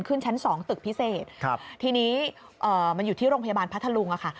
ขึ้นชั้นสองตึกพิเศษครับทีนี้เอ่อมันอยู่ที่โรงพยาบาลพัทธลุงอ่ะค่ะ